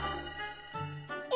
え！